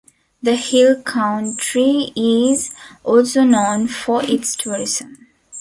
The Hill Country is also known for its tourism.